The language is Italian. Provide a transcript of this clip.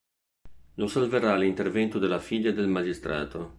Lo salverà l'intervento della figlia del magistrato.